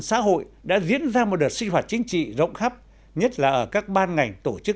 xã hội đã diễn ra một đợt sinh hoạt chính trị rộng khắp nhất là ở các ban ngành tổ chức